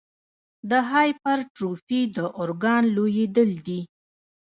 د هایپرټروفي د ارګان لویېدل دي.